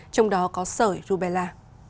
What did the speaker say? trong đó có sởi rubella